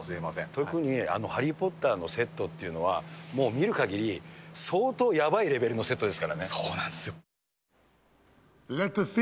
特にハリー・ポッターのセットっていうのは、もう見るかぎり、相当やばいレベルのセットですかそうなんですよ。